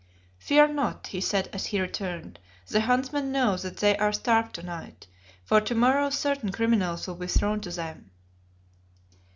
"Fear not," he said as he returned, "the huntsmen know that they are starved to night, for to morrow certain criminals will be thrown to them."